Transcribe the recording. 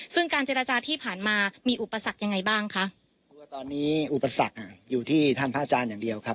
ซึ่งการเจรจาที่ผ่านมามีอุปสรรคยังไงบ้างคะเพราะว่าตอนนี้อุปสรรคอยู่ที่ท่านพระอาจารย์อย่างเดียวครับ